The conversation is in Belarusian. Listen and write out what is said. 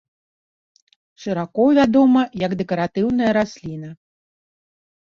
Шырока вядома як дэкаратыўная расліна.